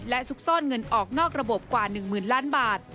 และซุกซ่อนเงินออกนอกระบบกว่า๑๐๐๐ล้านบาท